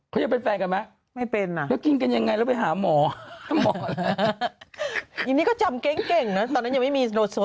เขาจะเป็นแฟนกันไหม